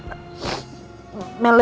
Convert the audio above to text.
meliru mulu soalnya pak